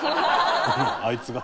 あいつが。